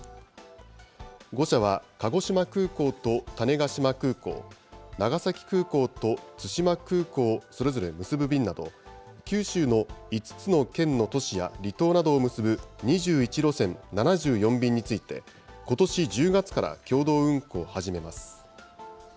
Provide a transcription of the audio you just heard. ５社は鹿児島空港と種子島空港、長崎空港と対馬空港をそれぞれ結ぶ便など、九州の５つの県の都市や離島などを結ぶ２１路線７４便について、ことし１０月から共同運航を始めます。